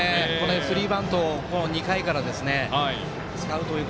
スリーバントを２回から使うという。